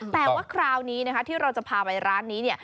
แต่ว่าคราวนี้ที่เราจะพาไปร้านนี้